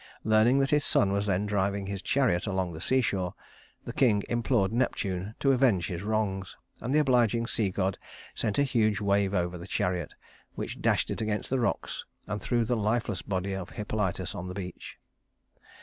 Learning that his son was then driving his chariot along the seashore, the king implored Neptune to avenge his wrongs; and the obliging sea god sent a huge wave over the chariot, which dashed it against the rocks and threw the lifeless body of Hippolytus on the beach.